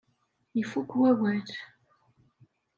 Ifukk wawal.